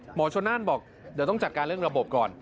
หมอชนนั่นบอกเดี๋ยวต้องจัดการเรื่องระบบก่อน